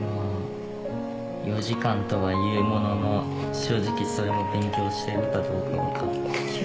４時間とはいうものの正直それも勉強してるかどうかは。